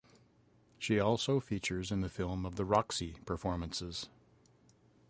She also features in the film of the Roxy performances.